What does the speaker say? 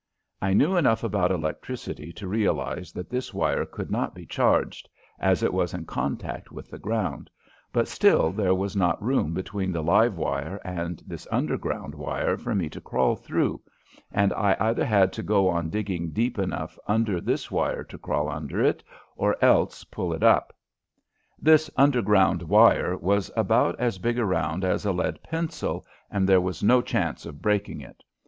I knew enough about electricity to realize that this wire could not be charged, as it was in contact with the ground, but still there was not room between the live wire and this underground wire for me to crawl through, and I either had to go on digging deep enough under this wire to crawl under it or else pull it up. This underground wire was about as big around as a lead pencil and there was no chance of breaking it.